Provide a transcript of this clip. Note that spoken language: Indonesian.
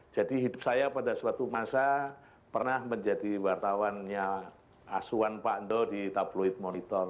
jadi hidup saya pada suatu masa pernah menjadi wartawannya asuhan pak do di tabloid monitor